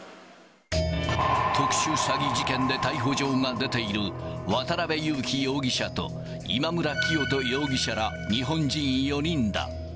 特殊詐欺事件で逮捕状が出ている、渡辺優樹容疑者と今村磨人容疑者ら日本人４人だ。